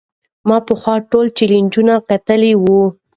ما پخوا ټول چینلونه کتلي وو.